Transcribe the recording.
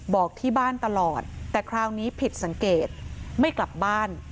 บอกที่บ้านตลอดแต่คราวนี้ผิดสังเกตไม่กลับบ้าน